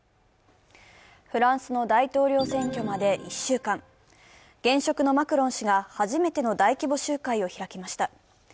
フランスの大統領選挙まで１週間現職のマクロン氏が初めての大規模集会を開きました。